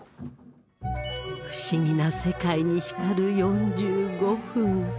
不思議な世界に浸る４５分。